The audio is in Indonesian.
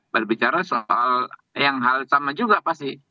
berbicara soal yang hal sama juga pasti